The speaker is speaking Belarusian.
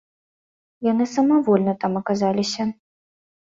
Яны самавольна там аказаліся.